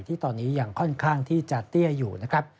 ที่ตอนนี้ยังค่อนข้างที่จะเตี้ยอยู่นะครับ